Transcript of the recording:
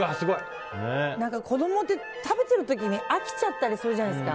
子供って、食べている時に飽きちゃったりするじゃないですか。